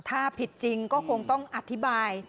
ถ้าผิดจริงก็คงต้องอธิบาย